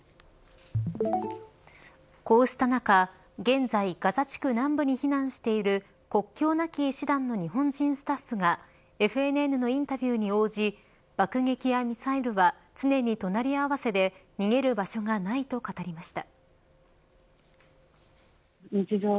こうした中、現在ガザ地区南部に避難している国境なき医師団の日本人スタッフがＦＮＮのインタビューに応じ爆撃やミサイルは常に隣合わせで逃げる場所がないと語りました。